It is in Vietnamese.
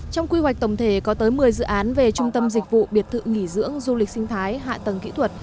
trong quy hoạch tổng thể có tới một mươi dự án về trung tâm dịch vụ biệt thự nghỉ dưỡng du lịch sinh thái hạ tầng kỹ thuật